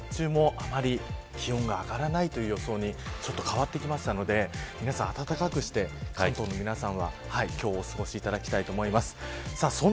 日中も、あまり気温が上がらないという予想に変わってきましたので皆さん、暖かくして関東の皆さんはお過ごしいただきたいと思います。